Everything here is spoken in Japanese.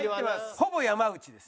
ほぼ山内です。